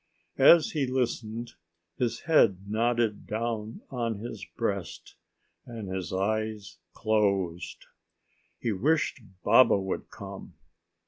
As he listened, his head nodded down on his breast, and his eyes closed. He wished Baba would come.